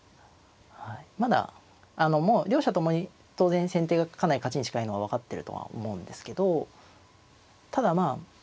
まだもう両者ともに当然先手がかなり勝ちに近いのは分かってるとは思うんですけどただまあ